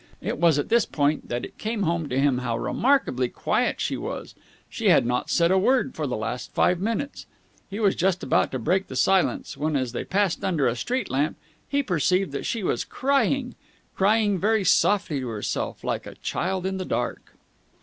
It was at this point that it came home to him how remarkably quiet she was. She had not said a word for the last five minutes. He was just about to break the silence, when, as they passed under a street lamp, he perceived that she was crying crying very softly to herself, like a child in the dark.